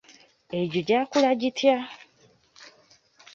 Egyo gyakula gitya?